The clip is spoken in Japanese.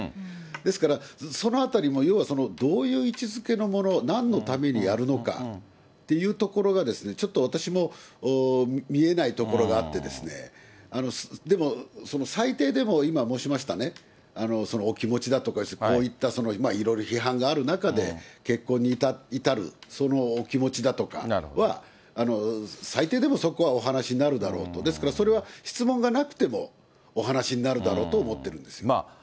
ですから、そのあたりも、要はどういう位置づけのものを、なんのためにやるのかっていうところが、ちょっと私も見えないところがあってですね、でも、最低でも今申しましたね、お気持ちだとか、要するにこういったいろいろ批判がある中で結婚に至る、そのお気持ちだとかは、最低でもそこはお話になるだろうと、ですから、それは質問がなくてもお話になるだろうと思ってるんですよ。